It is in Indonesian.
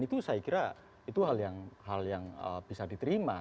itu saya kira itu hal yang bisa diterima